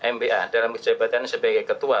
mpa dalam kecepatan sebagai ketua